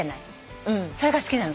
それが好きなの。